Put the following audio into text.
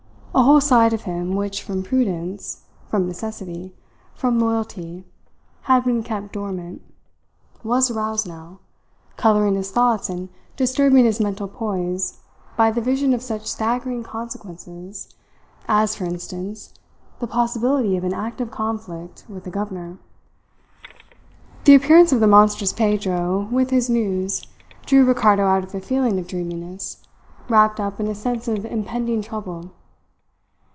A whole side of him which from prudence, from necessity, from loyalty, had been kept dormant, was aroused now, colouring his thoughts and disturbing his mental poise by the vision of such staggering consequences as, for instance, the possibility of an active conflict with the governor. The appearance of the monstrous Pedro with his news drew Ricardo out of a feeling of dreaminess wrapped up in a sense of impending trouble.